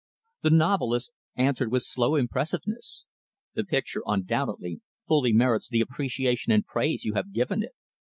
The novelist answered with slow impressiveness; "The picture, undoubtedly, fully merits the appreciation and praise you have given it.